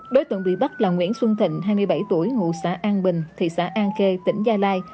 đối tượng bị bắt là nguyễn xuân thịnh hai mươi bảy tuổi ngụ xã an bình thị xã an khê tỉnh gia lai